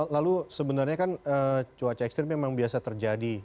lalu sebenarnya kan cuaca ekstrim memang biasa terjadi